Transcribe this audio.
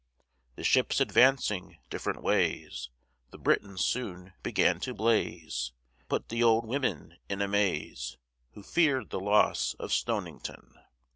The ships advancing different ways, The Britons soon began to blaze, And put th' old women in amaze, Who fear'd the loss of Stonington.